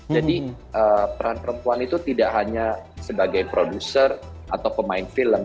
jadi peran perempuan itu tidak hanya sebagai produser atau pemain film